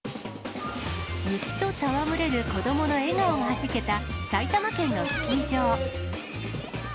雪と戯れる子どもの笑顔はじけた埼玉県のスキー場。